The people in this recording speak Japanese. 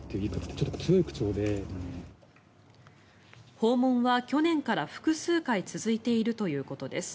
訪問は去年から複数回続いているということです。